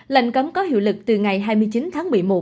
lệnh cấm có hiệu lực từ ngày hai mươi chín tháng một mươi một